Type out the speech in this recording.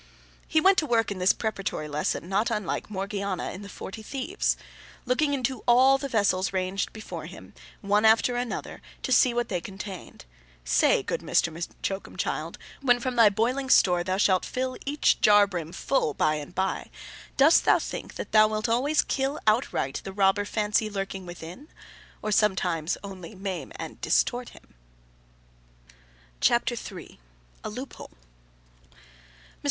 He went to work in this preparatory lesson, not unlike Morgiana in the Forty Thieves: looking into all the vessels ranged before him, one after another, to see what they contained. Say, good M'Choakumchild. When from thy boiling store, thou shalt fill each jar brim full by and by, dost thou think that thou wilt always kill outright the robber Fancy lurking within—or sometimes only maim him and distort him! CHAPTER III A LOOPHOLE MR.